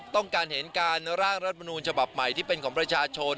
ต้องการเห็นการร่างรัฐมนูลฉบับใหม่ที่เป็นของประชาชน